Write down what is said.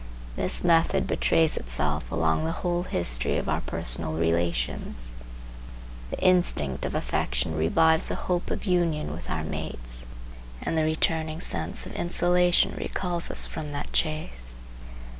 This method betrays itself along the whole history of our personal relations. The instinct of affection revives the hope of union with our mates, and the returning sense of insulation recalls us from the chase.